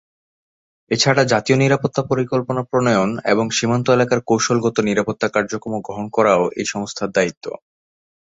এছাড়া জাতীয় নিরাপত্তা পরিকল্পনা প্রণয়ন এবং সীমান্ত এলাকার কৌশলগত নিরাপত্তা কার্যক্রম গ্রহণ করাও এই সংস্থার দায়িত্ব।